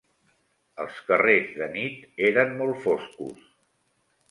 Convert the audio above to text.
Els carrers, de nit, eren molt foscos